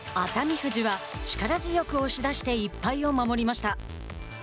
富士は力強く押し出して１敗を守りました。